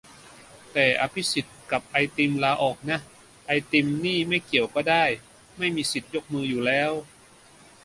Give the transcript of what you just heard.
แต่อภิสิทธิ์กับไอติมลาออกนะ ไอติมนี่ไม่เกี่ยวก็ได้ ไม่มีสิทธิ์ยกมืออยู่แล้ว